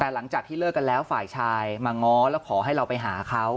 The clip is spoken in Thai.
แต่หลังจากที่เลิกกันแล้วฝ่ายชายมาง้อแล้วขอให้เราไปหาเขา